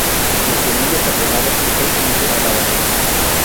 Las semillas aplanadas, estrechamente aladas.